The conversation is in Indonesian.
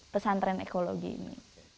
pesantren ekologi ini